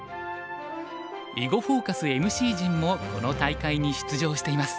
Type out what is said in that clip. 「囲碁フォーカス」ＭＣ陣もこの大会に出場しています。